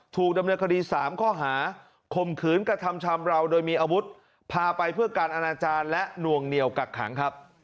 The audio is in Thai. ถูกดำเนินคดี๓ข้อหาข่มขืนกระทำชำราวโดยมีอาวุธพาไปเพื่อการอนาจารย์และนวงเหนียวกักขังครับ